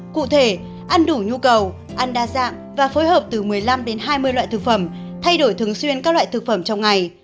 cụ thể ăn đủ nhu cầu ăn đa dạng và phối hợp từ một mươi năm đến hai mươi loại thực phẩm thay đổi thường xuyên các loại thực phẩm trong ngày